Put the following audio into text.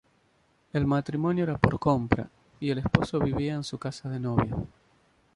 El matrimonio era por compra, y el esposo vivía en su casa de novio.